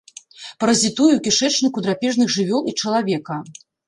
Паразітуе ў кішэчніку драпежных жывёл і чалавека.